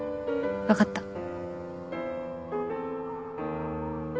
分かった。